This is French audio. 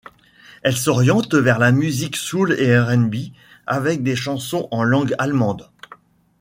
Elle s'oriente vers la musique Soul et R&B avec des chansons en langue allemande.